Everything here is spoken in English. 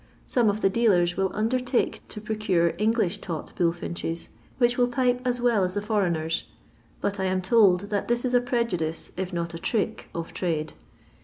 Some of the dealers will undertake to procure English taught bullfinches which will pipe as well as the foreigners, but I am told that this is a prejudice, if not a trick, of trade.